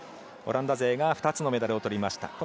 オランダ勢が２つのメダルをとりました。